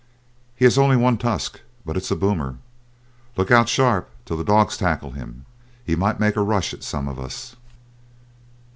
He has only one tusk, but it's a boomer. Look out sharp till the dogs tackle him, he might make a rush at some of us."